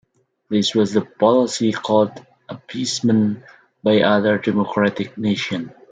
This was the policy called appeasement by other democratic nations.